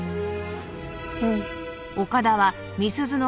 うん。